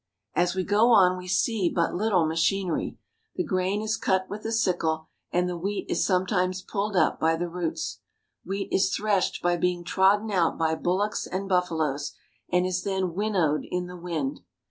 As we go on we see but little machinery. The grain is cut with the sickle, and the wheat is sometimes pulled up by the roots. Wheat is threshed by being trodden out by bullocks and buffaloes, and is then winnowed in the wind.